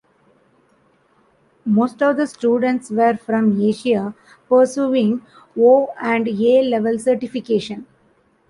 Most of the students were from Asia, pursuing 'O' and 'A' level certification.